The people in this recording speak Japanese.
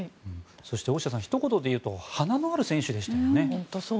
そして大下さんひと言で言うと花のある選手でしたね。